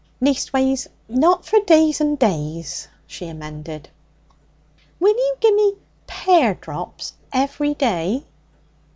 'Leastways, not for days an' days,' she amended. 'Will you gi' me pear drops every day?'